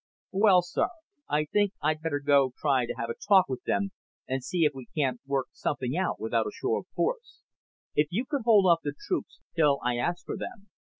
"Well, sir, I think I'd better go try to have a talk with them and see if we can't work something out without a show of force. If you could hold off the troops till I ask for them...."